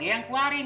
dia yang keluarin